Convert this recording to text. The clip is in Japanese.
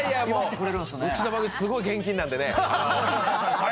うちの番組すごく厳禁なのでね。